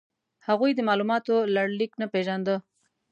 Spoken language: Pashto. هغوی د مالوماتو لړلیک نه پېژانده.